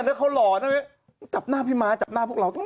ให้กล้องจับภาพเขาหน่อย